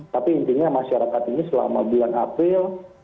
tapi intinya masyarakat ini selama bulan april